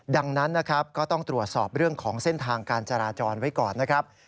ดังนั้นนะครับก็ต้องตรวจสอบเรื่องของเส้นทางการจราจรไว้ก่อนนะครับ